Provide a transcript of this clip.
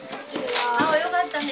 あおよかったね。